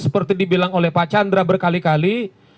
seperti dibilang oleh pak chandra berkali kali